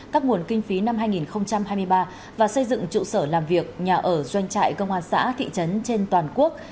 các nguồn kinh phí năm hai nghìn hai mươi ba và xây dựng trụ sở làm việc nhà ở doanh trại công an xã thị trấn trên toàn quốc